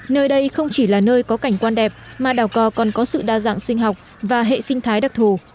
nơi đây không chỉ là nơi có cảnh quan đẹp mà đảo cò còn có sự đa dạng sinh học và hệ sinh thái đặc thù